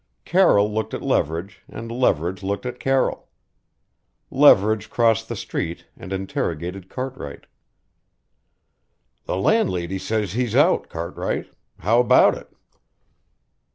Carroll looked at Leverage and Leverage looked at Carroll. Leverage crossed the street and interrogated Cartwright. "The landlady says he's out, Cartwright. How about it?"